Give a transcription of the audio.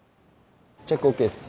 チェックＯＫです。